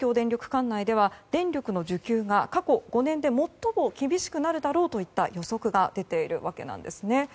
管内では電力の需給が過去５年で最も厳しくなるだろうといった予測が出ているわけなんですね。